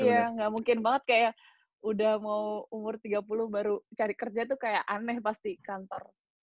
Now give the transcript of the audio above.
iya nggak mungkin banget kayak udah mau umur tiga puluh baru cari kerja tuh kayak aneh pasti kantor